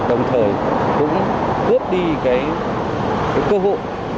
đồng thời cũng ướp đi cơ hội